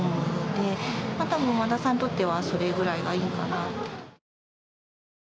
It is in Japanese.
たぶん和田さんにとってはそれぐらいがいいのかなと。